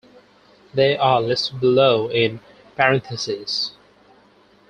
They are listed below in parentheses.